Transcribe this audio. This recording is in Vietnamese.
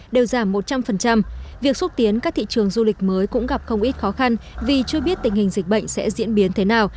đều giảm một trăm linh việc xúc tiến các thị trường du lịch mới cũng gặp không ít khó khăn vì chưa biết tình hình dịch bệnh sẽ diễn biến thế nào